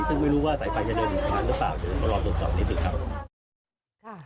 ซึ่งไม่รู้ว่าสายไฟจะเดินผ่านหรือเปล่าเดี๋ยวมารอตรวจสอบนิดหนึ่งครับ